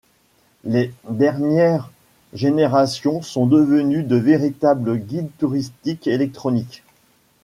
Les dernières générations sont devenues de véritables guides touristiques électroniques.